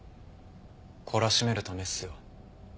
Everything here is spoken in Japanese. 懲らしめるためっすよ。